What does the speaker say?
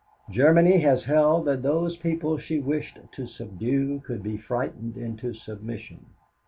"'Germany has held that those people she wished to subdue could be frightened into submission.